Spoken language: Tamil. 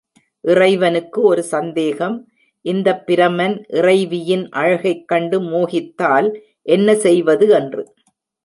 இறைவனுக்கு ஒரு சந்தேகம், இந்தப் பிரமன் இறைவியின் அழகைக் கண்டு மோகித்தால் என்ன செய்வது என்று.